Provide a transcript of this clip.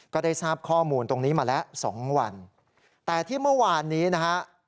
ก็ได้ทราบข้อมูลตรงนี้มาแล้วสองวันแต่ที่เมื่อวานนี้นะฮะ